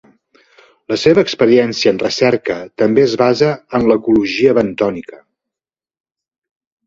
La seva experiència en recerca també es basa en l'ecologia bentònica.